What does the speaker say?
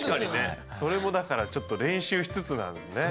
それもだからちょっと練習しつつなんですね。